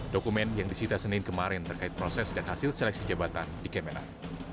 dokumen yang disita senin kemarin terkait proses dan hasil seleksi jabatan di kemenang